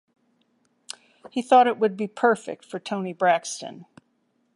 He thought it would be perfect for Toni Braxton.